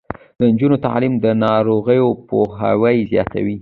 د نجونو تعلیم د ناروغیو پوهاوي زیاتوي.